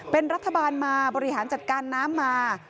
เป็นรัฐบาลมาบริหารจัดการน้ำมา